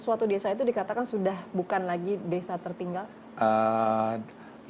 suatu desa itu dikatakan sudah bukan lagi desa tertinggal